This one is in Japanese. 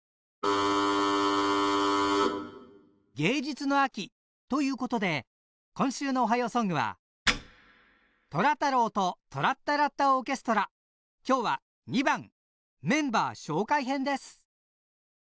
芸術の秋ということで今週の「おはようソング」は今日は２番メンバー紹介編です。